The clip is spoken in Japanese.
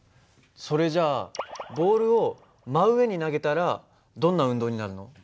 それじゃあボールを真上に投げたらどんな運動になるの？